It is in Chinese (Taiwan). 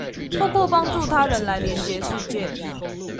透過幫助他人來連結世界